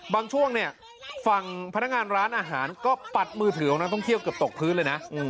ช่วงเนี่ยฝั่งพนักงานร้านอาหารก็ปัดมือถือของนักท่องเที่ยวเกือบตกพื้นเลยนะ